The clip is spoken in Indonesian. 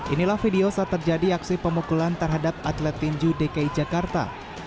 inilah video saat terjadi aksi pemukulan terhadap atlet tinju dki jakarta